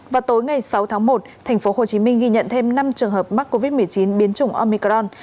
vào tối ngày sáu tháng một tp hcm ghi nhận thêm năm trường hợp mắc covid một mươi chín biến chủng omicron